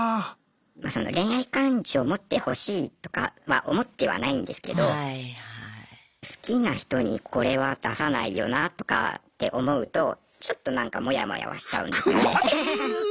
恋愛感情持ってほしいとかは思ってはないんですけど好きな人にこれは出さないよなとかって思うとちょっとなんかモヤモヤはしちゃうんですよね。